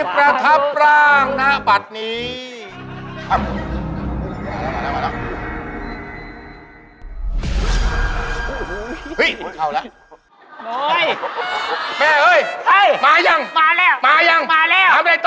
ใครอยากถามเรื่องแม่ใครก่อนเลย